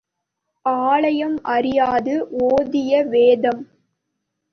ஆலயம் அறியாது ஓதிய வேதம்.